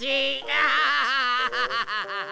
アハハハ！